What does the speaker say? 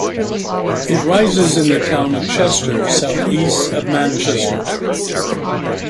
It rises in the town of Chester, southeast of Manchester.